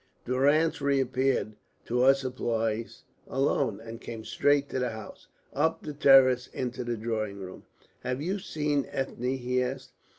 Durrance reappeared, to her surprise alone, and came straight to the house, up the terrace, into the drawing room. "Have you seen Ethne?" he asked.